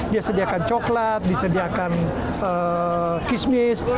dia sediakan coklat disediakan kismis